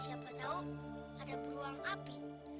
siapa tau ada buang api